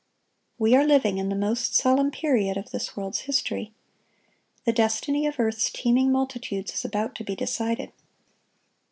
We are living in the most solemn period of this world's history. The destiny of earth's teeming multitudes is about to be decided.